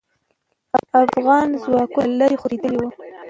افغان ځواکونه له لرې خورېدلې وو.